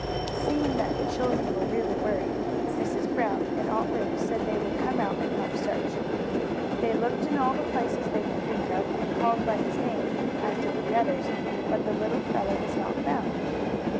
Seeing that the children were really worried, Mrs. Brown and Aunt Lu said they would come out and help search. They looked in all the places they could think of, and called Bunny's name, as did the others, but the little fellow was not found.